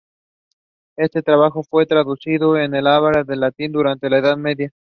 Este trabajo fue traducido del árabe al latín durante la Edad Media.